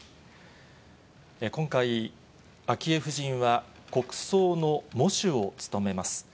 今回、昭恵夫人は国葬の喪主を務めます。